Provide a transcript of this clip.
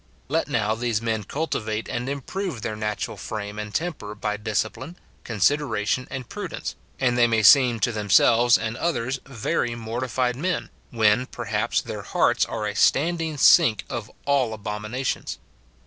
Let now these men cultivate and improve their natural frame and temper by discipline, consideration, and prudence, and they may seem to themselves and others very mortified men, when, perhaps, their hearts are a standing sink of all abominations.